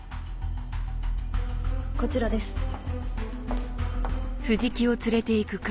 こちらです。